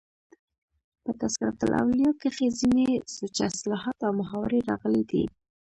په "تذکرة الاولیاء" کښي ځيني سوچه اصطلاحات او محاورې راغلي دي.